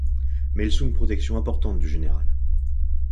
Mais ils sont une protection importante du général.